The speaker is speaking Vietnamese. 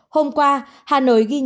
hôm qua hà nội ghi nhận một mươi sáu ca